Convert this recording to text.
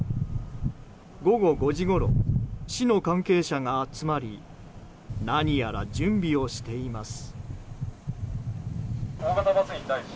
午後５時ごろ市の関係者が集まり何やら準備をしています。